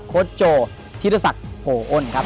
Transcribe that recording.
โค้ดโจชิดศักดิ์โผอ่น